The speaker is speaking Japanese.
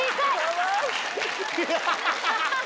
ハハハハ！